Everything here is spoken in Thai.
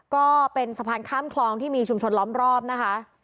ก็เป็นสะพานข้ามคลองที่มีชุมชนล้อมรอบนะคะ